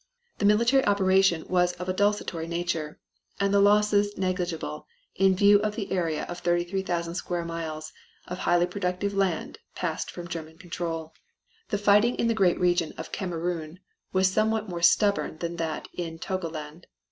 The military operation was of a desultory nature, and the losses negligible in view of the area of 33,000 square miles of highly productive land passed from German control. The fighting in the great region of Kamerun was somewhat more stubborn than that in Togoland.